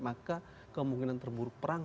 maka kemungkinan terburuk perang